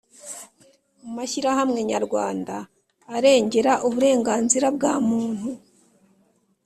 mu mashyirahamwe nyarwanda arengera uburenganzira bwa muntu.